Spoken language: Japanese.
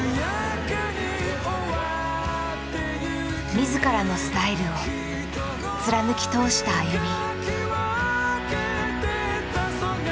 自らのスタイルを貫き通したＡＹＵＭＩ。